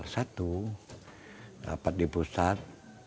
rapat di pusat